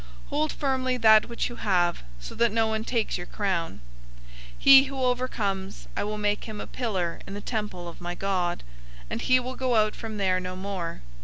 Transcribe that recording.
Hold firmly that which you have, so that no one takes your crown. 003:012 He who overcomes, I will make him a pillar in the temple of my God, and he will go out from there no more.